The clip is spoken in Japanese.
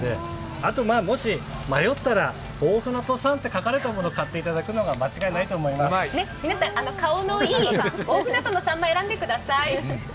あと、もし迷ったら大船渡産と書かれたものを買っていただくのが皆さん、顔のいい大船渡のさんまを選んでください。